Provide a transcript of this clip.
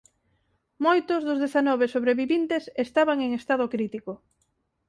Moitos dos dezanove sobreviventes estaban en estado crítico.